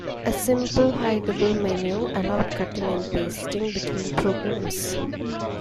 A simple hideable menu allowed cutting and pasting between programs.